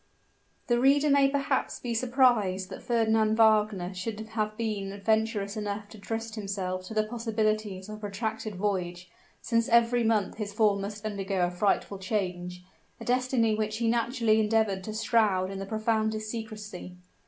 The reader may perhaps be surprised that Fernand Wagner should have been venturous enough to trust himself to the possibilities of a protracted voyage, since every month his form must undergo a frightful change a destiny which he naturally endeavored to shroud in the profoundest secrecy.